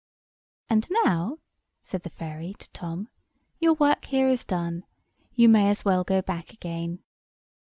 "And now," said the fairy to Tom, "your work here is done. You may as well go back again."